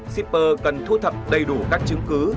shipper cần thu thập đầy đủ các chứng cứ